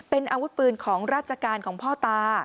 เป็นอาวุธปืนของราชการของพ่อตา